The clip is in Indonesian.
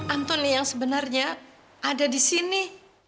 antoni yang sebenarnya ada di sini